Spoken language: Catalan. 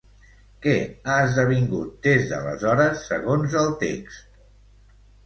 Què ha esdevingut des d'aleshores segons el text?